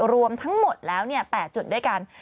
รวมทั้งหมดแล้ว๘จุดด้วยกัน